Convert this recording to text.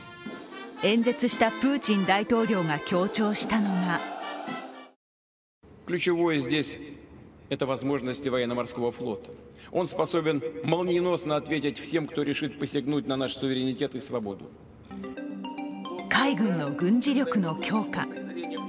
演説したプーチン大統領が強調したのが海軍の軍事力の強化。